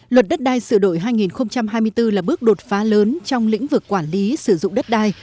luật đất đai sửa đổi hai nghìn hai mươi bốn là bước đột phá lớn trong lĩnh vực quản lý sử dụng đất đai